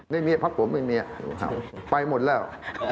ไม่มีครับพวกผมไม่มีครับไปหมดแล้ว